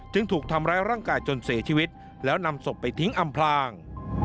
ถูกทำร้ายร่างกายจนเสียชีวิตแล้วนำศพไปทิ้งอำพลาง